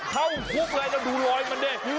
เข้าคุกเลยแล้วดูรอยมันดิ